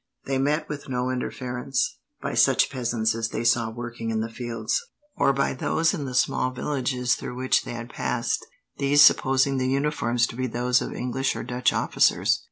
They met with no interference by such peasants as they saw working in the fields, or by those in the small villages through which they passed, these supposing the uniforms to be those of English or Dutch officers.